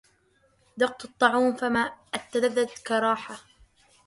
ذقت الطعوم فما التذذت كراحة